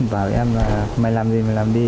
bảo em là mày làm gì mày làm đi